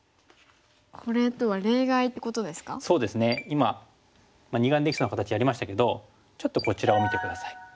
今二眼できた形やりましたけどちょっとこちらを見て下さい。